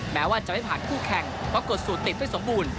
แม้ว่าจะไม่ผ่านคู่แข่งเพราะกดสูตรติดไม่สมบูรณ์